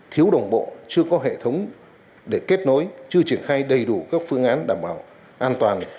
thiếu đồng bộ chưa có hệ thống để kết nối chưa triển khai đầy đủ các phương án đảm bảo an toàn